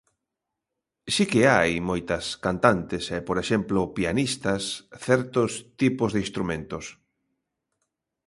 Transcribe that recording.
Si que hai moitas cantantes e por exemplo, pianistas, certos tipos de instrumentos.